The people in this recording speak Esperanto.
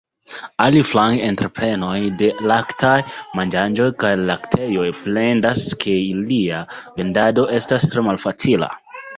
Aliflanke entreprenoj de laktaj manĝaĵoj kaj laktejoj plendas ke ilia vendado estas tre malfacila.